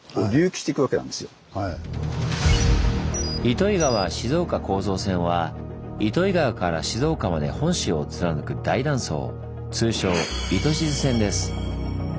糸魚川−静岡構造線は糸魚川から静岡まで本州を貫く大断層通称糸静線です。